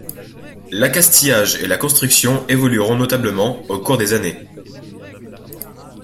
L'accastillage et la construction évolueront notablement au cours des années.